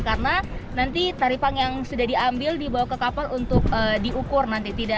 karena nanti taripang yang sudah diambil dibawa ke kapal untuk diukur nanti